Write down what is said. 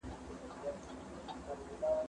لنده ژبه هري خوا ته اوړي.